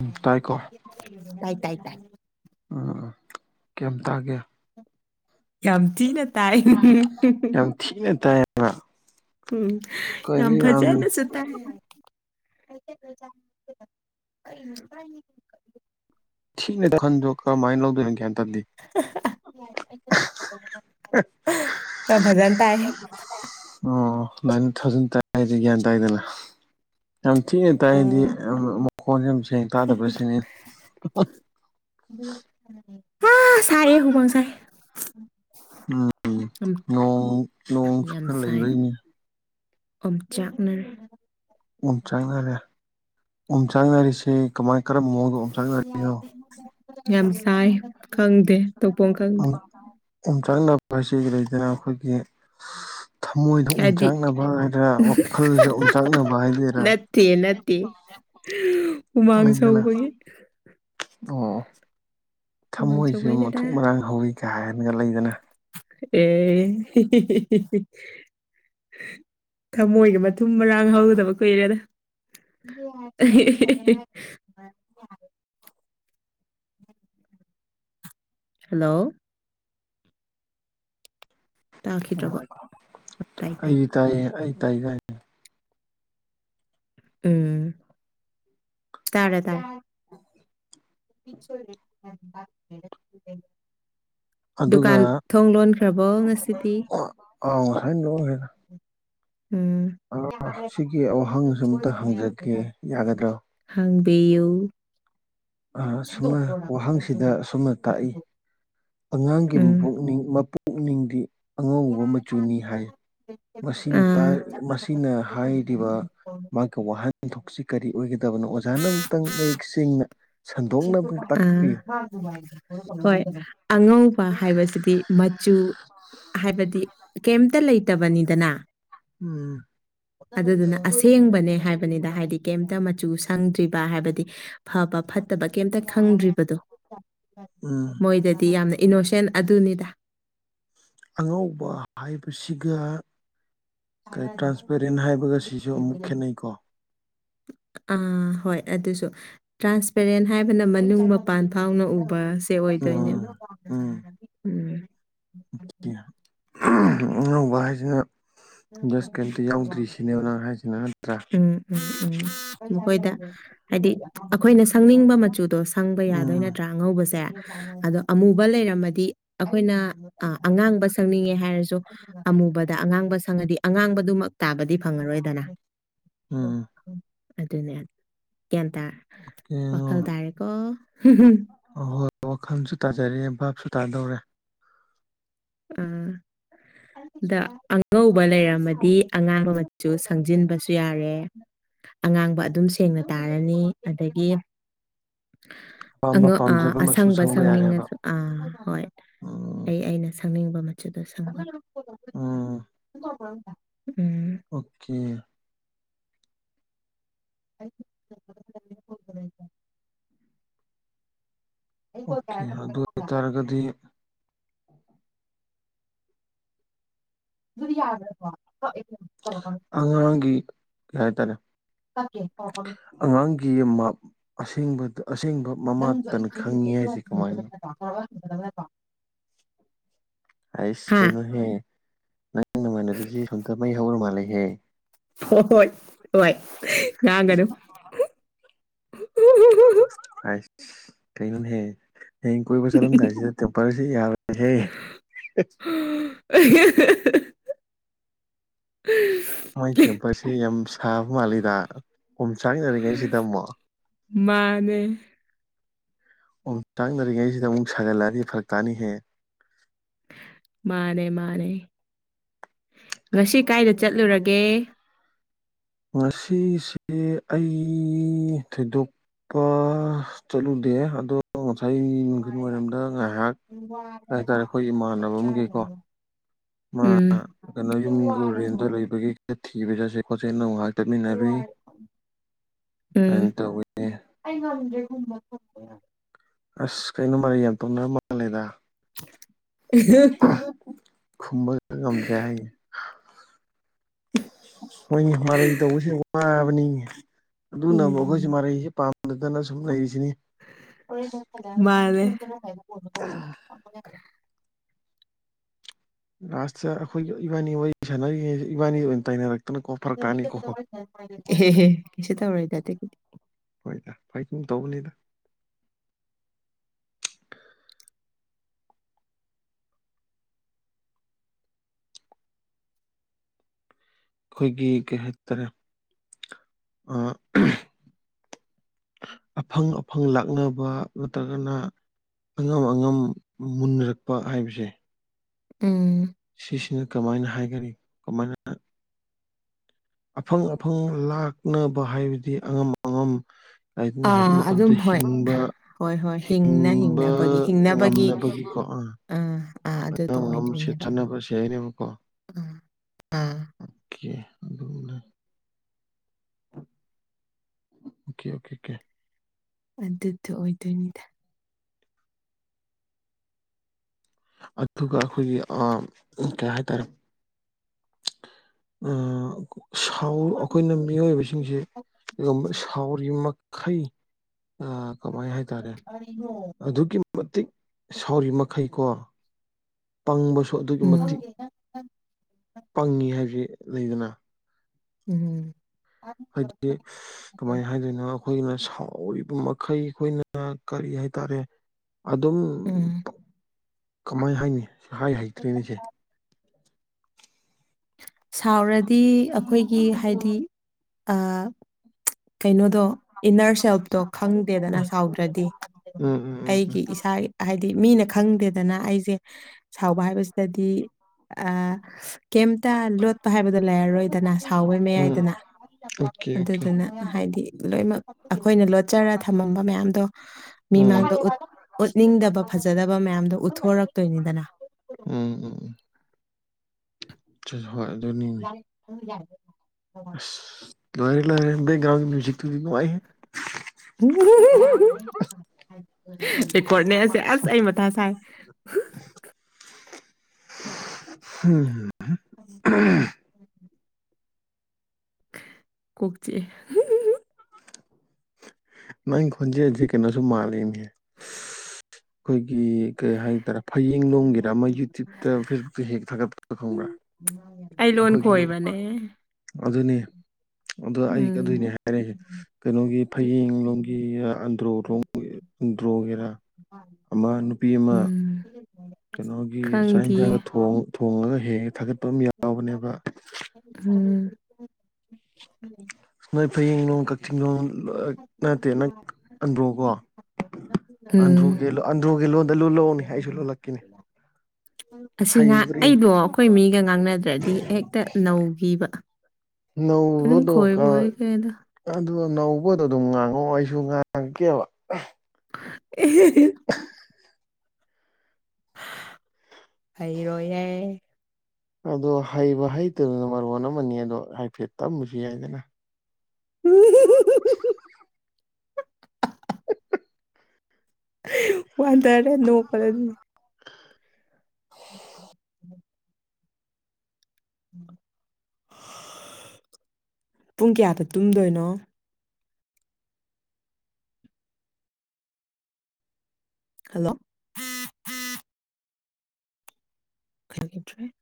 ꯎꯝ ꯇꯥꯏꯀꯣ ꯇꯥꯏ ꯇꯥꯏ ꯇꯥꯏ ꯎꯝ ꯀꯌꯥꯝ ꯇꯥꯒꯦ ꯌꯥꯝ ꯊꯤꯅ ꯇꯥꯏ ꯑ ꯎꯝ ꯌꯥꯝ ꯐꯖꯥꯅ ꯁꯨ ꯇꯥꯏ [inaudible] [unintelligible] [unintelligible] ꯈꯟꯗꯣꯛ ꯀꯃꯥꯏꯅ ꯂꯧꯗꯣꯏꯅ ꯒ꯭ꯌꯥꯟ ꯇꯗꯦ ꯑ ꯐꯖꯅ ꯇꯥꯏ ꯑꯗꯨꯨꯃꯥꯏꯅ ꯊꯧꯖꯤꯟ ꯇꯥꯏꯗꯤ ꯒ꯭ꯌꯥꯟ ꯇꯥꯏꯗꯅ ꯌꯥꯝ ꯊꯤꯅ ꯇꯥꯏꯗꯤ ꯌꯥꯝ ꯐꯣꯟꯁꯦ ꯌꯥꯝ ꯁꯦꯡ ꯇꯥꯗꯕ꯭ꯔꯥ ꯁꯤꯅꯤ ꯍꯥ ꯁꯥꯏꯌꯦ ꯍꯨꯃꯥꯡ ꯁꯥꯏ ꯎꯝ ꯌꯥꯝ ꯅꯣꯡ ꯅꯣꯡ ꯁꯨ ꯈ ꯂꯩꯕꯩꯅꯦ ꯑꯣꯝ ꯆꯥꯛꯅꯔꯦ ꯑꯣꯝꯆꯥꯛꯅꯔꯦ ꯑꯣꯝꯆꯥꯛꯅꯔꯤꯁꯦ ꯀꯃꯥꯏ ꯀꯔꯝꯕ ꯃꯑꯣꯡꯗ ꯑꯣꯝ ꯆꯥꯛꯅꯔꯤꯅꯣ ꯌꯥꯝ ꯆꯥꯏ ꯈꯪꯗꯦ ꯇꯧꯐꯝ ꯈꯪꯗꯦ ꯑꯣꯝꯆꯥꯛꯅꯕ ꯍꯥꯏꯁꯦ ꯂꯩꯗꯅ ꯑꯈꯣꯏꯒꯤ ꯊꯃꯣꯏꯗꯣ ꯍꯥꯏꯗꯤ ꯑꯣꯝꯆꯥꯛꯅꯕ ꯍꯥꯏꯗ꯭ꯔꯥ ꯋꯥꯈꯜꯁꯦ ꯑꯣꯝꯆꯥꯛꯅꯕ ꯍꯥꯏꯗꯣꯏꯔꯥ ꯅꯠꯇꯦ ꯅꯠꯇꯦ ꯍꯨꯃꯥꯡ ꯂꯩꯗꯅ ꯁꯧꯕꯒꯤ ꯑꯣ ꯍꯨꯃꯥꯡ ꯊꯃꯣꯏꯁꯦ ꯁꯧꯕꯩꯅꯦꯗ ꯃꯊꯨꯞ ꯃꯔꯥꯡ ꯍꯧꯋꯤ ꯀꯥꯏꯅ ꯂꯩꯗꯅ ꯑꯦ ꯍꯤꯍꯤꯍꯤ ꯊꯃꯣꯏꯒ ꯃꯊꯨꯝ ꯃꯔꯥꯡ ꯍꯧꯗꯕ ꯀꯨꯏꯔꯦꯗ [inaudible] [inaudible] ꯍꯜꯂꯣ ꯇꯥꯈꯤꯗ꯭ꯔꯕꯣ ꯇꯥꯏ ꯇꯥꯏ ꯑꯩꯗꯤ ꯇꯥꯏ ꯇꯥꯏꯌꯦ ꯑꯩ ꯇꯥꯏ ꯇꯥꯏ ꯎꯝ ꯇꯥꯔꯦ ꯇꯥꯔꯦ [inaudible] [inaudible] ꯑꯗꯨꯒ ꯗꯨꯀꯥꯟ ꯊꯣꯡ ꯂꯣꯟꯈ꯭ꯔꯕꯣ ꯉꯁꯤꯗꯤ ꯑꯥ ꯉꯁꯥꯏ ꯎꯝ ꯑ ꯁꯤꯒꯤ ꯋꯍꯪ ꯁꯤꯝꯇ ꯍꯪꯖꯒꯦ ꯌꯥꯒꯗ꯭ꯔꯣ ꯍꯪꯕꯌꯨ ꯑꯁꯨꯝꯅ ꯋꯥꯍꯪꯁꯤꯗ ꯑꯁꯨꯝꯅ ꯇꯥꯛꯏ ꯑꯉꯥꯡꯒꯤ ꯎꯝ ꯃꯕꯨꯛꯅꯤꯡ ꯃꯄꯨꯅꯤꯡꯗꯤ ꯑꯉꯧꯕ ꯃꯆꯨꯅꯤ ꯍꯥꯏ ꯃꯁꯤꯅ ꯇꯥ ꯑꯥ ꯃꯁꯤꯅ ꯍꯥꯏꯔꯤꯕ ꯃꯥꯒꯤ ꯋꯥꯍꯟꯊꯣꯛꯁꯤ ꯀꯔꯤ ꯑꯣꯏꯒꯗꯕꯅꯣ ꯑꯣꯖꯥꯅ ꯑꯃꯨꯛꯇꯪ ꯃꯌꯦꯛ ꯁꯦꯡꯅ ꯁꯟꯗꯣꯛꯅ ꯑꯃꯨꯛꯇꯪ ꯑ ꯇꯥꯛꯄꯤꯌꯨ ꯍꯣꯏ ꯑꯉꯧꯕ ꯍꯥꯏꯕꯁꯤꯗꯤ ꯃꯆꯨ ꯍꯥꯏꯕ ꯗꯤ ꯀꯩꯝꯇ ꯂꯩꯇꯕꯅꯤꯗꯅ ꯎꯝ ꯑꯗꯨꯗꯨꯅ ꯑꯁꯦꯡꯕꯅꯦ ꯍꯥꯏꯕ ꯍꯥꯏꯕꯅꯤꯗ ꯍꯥꯏꯗꯤ ꯀꯩꯝꯇ ꯃꯆꯨ ꯁꯪꯗ꯭ꯔꯤꯕ ꯍꯥꯏꯕꯗꯤ ꯐꯕ ꯐꯠ ꯇꯕ ꯀꯩꯝꯇ ꯈꯪꯗ꯭ꯔꯤꯕꯗꯣ ꯎꯝ ꯃꯣꯏꯗꯗꯤ ꯌꯥꯝꯅ ꯏꯅꯣꯁꯦꯟ ꯑꯗꯨꯅꯤꯗ ꯑꯉꯧꯕ ꯍꯥꯏꯕꯁꯤꯒ ꯇ꯭ꯔꯥꯟꯁꯄꯦꯔꯦꯟ ꯍꯥꯏꯕꯒ ꯁꯤꯁꯨ ꯑꯃꯨꯛ ꯈꯦꯠꯅꯩꯀꯣ [inaudible] ꯑꯥ ꯍꯣꯏ ꯑꯗꯨꯁꯨ ꯇ꯭ꯔꯥꯟꯁꯄꯦꯔꯦꯟ ꯍꯥꯏꯕꯅ ꯃꯅꯨꯡ ꯃꯄꯥꯟ ꯐꯥꯎꯅ ꯎꯕ ꯦ ꯎꯝ ꯑꯣꯏꯗꯣꯏꯅꯦꯕ ꯎꯝ ꯅ ꯋꯥꯁꯅ ꯎꯝ ꯅꯪ ꯍꯥꯏꯁꯤꯅ ꯅꯠꯇ꯭ꯔꯥ ꯎꯝ ꯎꯝ ꯍꯣꯏꯗ ꯍꯥꯏꯗꯤ ꯑꯩꯈꯣꯏꯅ ꯁꯪꯅꯤꯡꯕ ꯃꯆꯨꯗꯣ ꯁꯪꯕ ꯌꯥꯗꯣꯏ ꯎꯝ ꯅꯠꯇ꯭ꯔꯥ ꯑꯉꯧꯕꯁꯦ ꯑꯗꯣ ꯑꯃꯨꯕ ꯂꯩꯔꯝꯃꯗꯤ ꯑꯩꯈꯣꯏꯅ ꯑꯉꯥꯡꯕ ꯁꯛꯅꯤꯡꯉꯦ ꯍꯥꯏꯔꯁꯨ ꯑꯃ ꯑꯉꯥꯡꯕꯪꯉꯗꯤ ꯑꯉꯥꯡꯕꯗꯨꯃꯛ ꯇꯥꯕꯗꯤ ꯐꯪꯉꯔꯣꯏꯗꯅ ꯎꯝ ꯑꯗꯨꯅꯦ ꯒ꯭ꯌꯥꯟ ꯇꯥ ꯌꯦꯡꯉꯣ ꯋꯥꯈꯜ ꯇꯥꯔꯦꯀꯣ ꯑꯍꯣꯏ ꯋꯥꯈꯜꯁꯨ ꯇꯥꯖꯔꯦ ꯚꯥꯞꯁꯨ ꯇꯥꯗꯧꯔꯦ ꯑꯥ ꯑꯗ ꯑꯉꯧꯕ ꯂꯩꯔꯝꯃꯗꯤ ꯑꯉꯥꯡꯕ ꯃꯆꯨ ꯁꯪꯖꯤꯟꯕꯁꯨ ꯌꯥꯔꯦ ꯑꯉꯥꯡꯕ ꯑꯗꯨꯝ ꯁꯦꯡꯅ ꯇꯥꯔꯅꯤ ꯑꯗꯒꯤ ꯑ ꯑꯄꯥꯝꯕ ꯑ ꯄꯥꯝꯖꯕ ꯃꯆꯨ ꯑꯁꯪꯕ ꯁꯪꯕ ꯌꯥꯔꯦꯕ ꯁꯪꯅꯤꯡꯉꯁꯨ ꯑꯥ ꯍꯣꯏ ꯎꯝ ꯑꯩ ꯑꯩꯅ ꯁ ꯈꯪꯅꯤꯡꯕ ꯃꯆꯗ ꯁ ꯎꯝ ꯑꯣꯀꯦ [inaudible] ꯑꯣꯀꯦ ꯑꯗꯨ ꯑꯣꯏꯇꯥꯔꯒꯗꯤ ꯑꯗꯨꯗꯤ ꯌꯥꯗ ꯔꯣ ꯑꯉꯥꯡꯒꯤ ꯀꯩ ꯍꯥꯏꯇꯥꯔꯦ ꯑꯉꯥꯡꯒꯤ ꯑꯁꯦꯡꯕꯗ ꯑꯁꯦꯡꯕ ꯃꯃꯥꯇꯅ ꯈꯪꯉꯤ ꯍꯥꯏꯁꯦ ꯀꯃꯥꯏꯅ ꯃ ꯑꯩꯁ ꯀꯩꯅꯣꯍꯦ ꯅꯪ ꯅꯅꯨꯡꯉꯥꯏꯅꯕꯤꯁꯦ ꯁꯣꯝꯇ ꯃꯩ ꯍꯧꯔ ꯃꯥꯜꯂꯦꯍꯦ ꯍ ꯍꯣꯏ ꯍꯣꯏ ꯉꯒꯔ ꯑ ꯀꯩꯅ ꯍꯦ ꯍꯌꯦꯡ ꯀꯣꯏꯕ ꯆꯠꯂꯝꯗꯥꯏꯁꯤꯗ ꯇꯦꯝꯄꯜꯁꯤ ꯌꯥꯔꯦꯍꯦ [unintelligible] ꯃꯣꯏ ꯄ ꯌꯥꯝꯦꯝ ꯁꯥꯐ ꯃꯥ ꯂꯤꯗ ꯀꯨꯝ ꯆꯥꯅꯔꯤꯉꯩ ꯁꯤ ꯇꯝꯃꯣ ꯃꯥꯅꯦ ꯑꯣꯨꯛ ꯆꯥꯛꯅꯔꯤꯉꯩꯁꯤꯗ ꯑꯃꯨꯛ ꯁꯥꯒꯠꯂꯛꯑꯗꯤ ꯐꯔꯛ ꯀꯥꯅꯤꯍꯦ ꯃꯥꯅꯦ ꯃꯥꯅꯦ ꯉꯁꯤ ꯀꯥꯏꯗ ꯆꯠꯂꯨꯔꯒꯦ ꯉꯁꯤꯁꯦ ꯑꯩ ꯊꯣꯏꯗꯣꯛ ꯄꯥ ꯆꯠꯂꯨꯗꯦ ꯑꯗꯣ ꯏꯁꯩ ꯅꯨꯡꯊꯜ ꯋꯥꯔꯝꯗ ꯉꯥꯏꯍꯥꯛ ꯀꯩ ꯍꯥꯏꯇꯥꯔꯦ ꯑꯩꯈꯣꯏ ꯏꯃꯥꯟꯅꯕ ꯑꯃꯒꯤꯀꯣ ꯃꯥ ꯎꯝ ꯀꯩꯅꯣ ꯌꯨꯝꯒ ꯔꯦꯟꯗ ꯂꯩꯕꯒꯤ ꯊꯤꯕ ꯆꯠꯁꯦ ꯈꯣꯠꯉ ꯎꯝ ꯑꯗꯨꯃꯥꯏꯅ ꯇꯧꯋꯦ [unintelligible] ꯑꯁ ꯀꯩꯅꯣ ꯃꯔꯩ ꯌꯥꯝ ꯇꯧꯅꯔ ꯃꯥꯜꯂꯦꯗ ꯑ ꯈꯨꯝꯕ ꯉꯝꯗ꯭ꯔꯦ ꯍꯥꯏ ꯍꯣꯏ ꯃꯔꯩ ꯇꯧꯕꯁꯤ ꯋꯥꯕꯅꯤ ꯑꯗꯨꯅꯕꯨ ꯎꯝ ꯑꯩꯈꯣꯏꯁ ꯃꯔꯩꯁꯦ ꯄꯥ ꯑ ꯁꯨꯝ ꯃꯥꯅꯦ ꯑ ꯂꯥꯁꯇ ꯑꯩꯈꯣꯏꯒꯤ ꯏꯕꯥꯅꯤ ꯋꯥꯔꯤ ꯁꯥꯟꯅꯔꯤꯉꯩꯁꯤ ꯏꯕꯟꯅꯤ ꯑꯣꯏꯅ ꯇꯥꯏꯅꯔꯛꯀꯦ ꯑꯦ ꯍꯦ ꯀꯩꯁꯨꯛ ꯇꯧꯔꯦꯢꯗ ꯑꯗꯨꯗꯤ ꯍꯣꯏꯗ ꯐꯣꯏ ꯁꯨꯝ ꯇꯧꯕꯅꯤꯗ ꯑꯩꯈꯣꯏꯒꯤ ꯀꯩ ꯍꯥꯏꯇꯥꯔꯦ ꯑ ꯑꯐꯪ ꯑꯐꯪ ꯂꯥꯛꯅꯕ ꯅꯠꯇ꯭ꯔꯒꯅ ꯑꯉꯝ ꯑꯉꯝ ꯃꯨꯟꯅꯔꯛꯄ ꯍꯥꯏꯕꯁꯦ ꯎꯝ ꯁꯤꯁꯤꯅ ꯀꯃꯥꯏꯅ ꯍꯥꯏꯒꯅꯤ ꯀꯃꯥꯏꯅ ꯑꯐꯪ ꯑꯐꯪ ꯂꯥꯛꯅꯕ ꯍꯥꯏꯕꯗꯤ ꯑꯉꯝ ꯑꯉꯝ ꯍꯥꯏꯅꯤ ꯍꯧꯖꯤꯛ ꯑꯥ ꯃꯇꯝꯗ ꯑꯗꯨꯝ ꯍꯣꯏ ꯍꯤꯡꯕ ꯍꯣꯏ ꯍꯣꯏ ꯍꯤꯡꯅ ꯍꯤꯡꯕ ꯍꯤꯡꯅꯕꯒꯤ ꯍꯤꯡꯅꯕꯒꯤ ꯉꯝꯅꯕꯒꯤꯀꯣ ꯑꯥ ꯑꯥ ꯑꯗꯨꯗꯣ ꯑ ꯁꯤ ꯑꯣꯏꯗꯣꯏꯅꯦꯕ ꯊꯟꯅꯁꯅꯤꯕꯀꯣ ꯑꯥ ꯑꯥ ꯑꯣꯀꯦ ꯑꯣꯀꯦ ꯑꯣꯀꯦ ꯑꯣꯀꯦ ꯑꯗꯨꯗ ꯑꯣꯏꯗꯣꯏꯅꯤꯗ ꯑꯗꯨꯒ ꯑꯩꯈꯣꯏꯒꯤ ꯀꯩ ꯍꯥꯏꯇꯥꯔꯦ ꯑ ꯁꯥꯎ ꯑꯩꯈꯣꯏꯅ ꯃꯤꯑꯣꯏꯕꯁꯤꯡꯁꯦꯒꯨꯝꯕ ꯁꯥꯎꯔꯤ ꯃꯈꯩ ꯀꯃꯥꯏ ꯍꯥꯏꯇꯥꯔꯦ ꯑꯗꯨꯛꯀꯤ ꯃꯇꯤꯛ ꯁꯥꯎꯔꯤ ꯃꯈꯩꯀꯣ ꯄꯪꯕꯁꯨ ꯑꯗꯨꯛꯀꯤ ꯎꯝ ꯃꯇꯤꯛ ꯄꯪꯉꯤ ꯍꯥꯏꯁꯦ ꯂꯩꯗꯅ ꯎꯝꯝ ꯍꯥꯏꯗꯤ ꯀꯃꯥꯏꯅ ꯍꯥꯏꯗꯣꯏꯅꯣ ꯑꯩꯈꯣꯏꯅ ꯊꯥꯎꯔꯤꯕ ꯃꯈꯩ ꯑꯩꯈꯣꯏꯅ ꯀꯔꯤ ꯍꯥꯏꯇꯥꯔꯦ ꯑꯗꯨꯝ ꯎꯝ ꯀꯃꯥꯏ ꯍꯥꯏꯅꯤ ꯍꯥꯏ ꯍꯩꯇ꯭ꯔꯦꯅꯦꯁꯦ ꯁꯥꯎꯔꯗꯤ ꯑꯩꯈꯣꯏꯒꯤ ꯍꯥꯏꯗꯤ ꯀꯩꯅꯣꯗꯣ ꯏꯟꯅꯔ ꯁꯦꯜꯐꯇꯣ ꯎꯝ ꯎꯝ ꯈꯪꯗꯦꯗꯅ ꯁꯥꯎꯗ꯭ꯔꯗꯤ ꯎꯝ ꯎꯝ ꯑꯩꯒꯤ ꯏꯁꯥ ꯍꯥꯏꯗꯤ ꯗꯤ ꯃꯤꯅ ꯈꯪꯗꯦꯗꯅ ꯑꯩꯁꯦ ꯁꯥꯎꯕ ꯍꯥꯏꯕꯁꯤꯗꯗꯤ ꯀꯩꯝꯇ ꯂꯣꯠꯄ ꯍꯥꯏꯕꯗꯣ ꯂꯩꯔꯔꯣꯏꯗꯅ ꯁꯥꯎꯕꯩ ꯎꯝ ꯃꯌꯥꯏꯗꯅ ꯑꯣꯀꯦ ꯑꯣꯀꯦ ꯑꯗꯨꯗꯨꯅ ꯍꯥꯏꯗꯤ ꯂꯣꯏꯅꯃꯛ ꯑꯩꯈꯣꯏꯅ ꯂꯣꯠ ꯎꯠꯆꯔ ꯊꯝꯃꯝꯕ ꯃꯌꯥꯝꯗꯣ ꯃꯤ ꯎꯝ ꯃꯥꯡꯗ ꯎꯠꯅꯤꯡꯗꯕ ꯐꯖꯗꯕ ꯃꯌꯥꯝꯗꯣ ꯎꯠꯊꯣꯛ ꯍꯧꯔꯛꯇꯣꯏꯅꯤꯗꯅ ꯎꯝ ꯎꯝ ꯍꯣꯏ ꯑꯗꯨꯅꯤꯅꯦ ꯑꯁ ꯂꯣꯏꯔꯦ ꯂꯣꯏꯔꯦ ꯕꯦꯛꯒꯣꯟ ꯃꯨꯢꯖꯤꯛꯇꯨꯗꯤ ꯅꯨꯡꯉꯥꯏꯍꯦ ꯔꯀꯣꯔꯅꯦ ꯑꯁꯦ ꯑꯁ ꯑꯩ ꯃꯊꯥ ꯁꯥꯏ [inaudible] ꯍꯝ ꯀꯣꯛꯆꯤꯛꯑꯦ ꯅ ꯈꯣꯟꯖꯤꯖꯤ ꯀꯩꯅꯅꯥꯁꯨ ꯃꯥꯟꯂꯤꯅꯦ ꯍꯣꯏ ꯒꯤ ꯀꯩ ꯍꯥꯏꯇꯥꯔꯦ ꯐꯌꯦꯡ ꯂꯣꯡꯝꯒꯤꯔꯥ ꯑꯃ ꯌꯨꯇ꯭ꯌꯨꯕꯇ ꯐꯦꯁꯕꯨꯛꯇ ꯍꯦꯛ ꯊꯥꯒꯠꯄ ꯈꯪꯕ꯭ꯔꯥ ꯑꯩ ꯂꯣꯅ ꯑꯩꯈꯣꯏꯒꯤ ꯈꯣꯏ ꯕꯅꯦ ꯑꯗꯨꯅꯤ ꯑꯗ ꯑꯩ ꯑꯗꯨꯗꯣꯏꯅꯦ ꯍꯥꯏꯔꯁꯦ ꯀꯩꯅꯣꯒꯤ ꯐꯌꯦꯡ ꯂꯣꯝꯒꯤ ꯑꯟꯗ꯭ꯔꯣ ꯂꯣꯝꯒꯤ ꯑꯟꯗ꯭ꯔꯣ ꯒꯤꯔꯥ ꯑꯃ ꯅꯨꯄꯤ ꯑꯃ ꯎꯝ ꯀꯩꯅꯣꯒꯤ ꯆꯥꯛ ꯈꯪꯗꯤꯌꯦ ꯌꯦꯟꯁꯥꯡꯒ ꯊꯣꯡ ꯊꫭꯡꯉꯒ ꯍꯦꯛ ꯍꯦꯛ ꯊꯥꯒꯠ ꯄꯝ ꯌꯥꯎꯕꯅꯦꯕ [unintelligible] ꯅꯣꯏ ꯐꯌꯦꯡꯂꯣꯡ ꯀꯛꯆꯤꯡꯂꯣꯝ ꯅꯠꯇꯦ ꯅ ꯑꯟꯗ꯭ꯔꯣꯀꯣ ꯎꯝ ꯑꯟꯗ꯭ꯔꫭꯒꯤ ꯑꯟꯗ꯭ꯔꫭꯒꯤ ꯂꯣꯟꯗ ꯂꯨꯜꯂꯛꯎꯅꯦ ꯑꯩꯁꯨ ꯂꯣꯜꯂꯛꯀꯦꯅꯦ ꯑꯁꯤ ꯉꯥ ꯍꯩꯕ꯭ꯔꯤ ꯑꯩꯗꯣ ꯑꯩꯈꯣꯏ ꯃꯤꯒ ꯉꯥꯡꯅꯗ꯭ꯔꯗꯤ ꯍꯦꯛꯇ ꯅꯧꯘꯤꯕ ꯅꯧꯕꯗꫭ ꯀꯥ ꯀꯩꯗ ꯂꫭꯟ ꯅꯧꯕꯗꯣ ꯑꯗꯨꯝ ꯉꯥꯡꯉꯛꯑꯣ ꯑꯩꯁꯨ ꯉꯥꯡꯉꯛꯀꯦꯕ ꯑꯦ [unintelligible] ꯍꯩꯔꫭꯏꯌꯦ ꯑꯗꯣ ꯍꯩꯕ ꯍꯩꯇꯕꯅ ꯃꯔꯣꯟ ꯑꯃꯅꯤ ꯑꯗꯣ ꯍꯥꯏꯐꯦꯠ ꯇꯝꯃꯁꯨ ꯌꯥꯏꯗꯅ [unintelligible] ꯋꯥꯟꯗꯔꯦ ꯅꯣꯛꯄꯔꯅꯤ [inaudible] ꯄꯨꯡ ꯀꯌꯥꯗ ꯇꯨꯝꯗꯣꯏꯅꯣ ꯍꯜꯂꯣ ꯀ꯭ꯔꯦ [unintelligible]